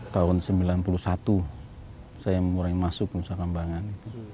tahun seribu sembilan ratus sembilan puluh satu saya mengurangi masuk nusa kambangan